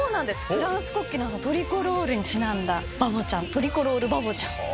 フランス国旗のトリコロールにちなんだバボちゃんトリコロールバボちゃん。